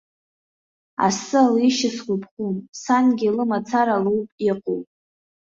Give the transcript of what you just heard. Асы алеишьа сгәаԥхом, сангьы лымацара лоуп иҟоу.